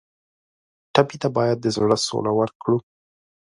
ټپي ته باید د زړه سوله ورکړو.